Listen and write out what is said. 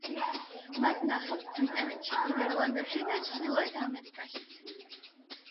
მას ნახავთ ბრიტანეთში, ნიდერლანდებში და ჩრდილოეთ ამერიკაშიც.